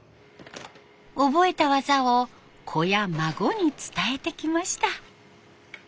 覚えた技を子や孫に伝えてきました。